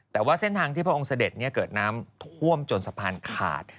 แต่ว่าเส้นทางที่พระองค์เสด็จเกิดน้ำท่วมจนสะพานขาด